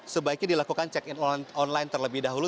sebaiknya dilakukan check in online terlebih dahulu